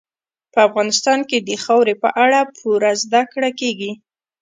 په افغانستان کې د خاورې په اړه پوره زده کړه کېږي.